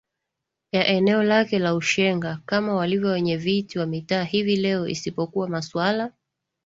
ya eneo lake la Ushenga kama walivyo Wenyeviti wa Mitaa hivi leo isipokuwa masuala